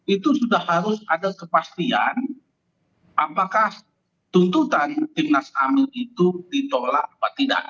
itu sudah harus ada kepastian apakah tuntutan timnas amin itu ditolak atau tidak